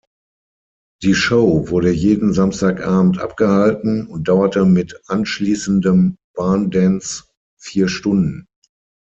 Die Show wurde jeden Samstagabend abgehalten und dauerte mit anschließendem Barn Dance vier Stunden.